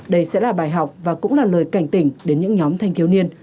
đây sẽ là bài học và cũng là lời cảnh tỉnh đến những nhóm thanh thiếu niên